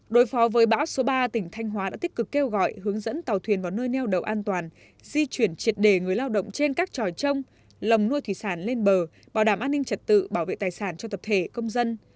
đối phó với bão số ba tỉnh thanh hóa đã tích cực kêu gọi hướng dẫn tàu thuyền vào nơi neo đậu an toàn di chuyển triệt để người lao động trên các tròi trông lồng nuôi thủy sản lên bờ bảo đảm an ninh trật tự bảo vệ tài sản cho tập thể công dân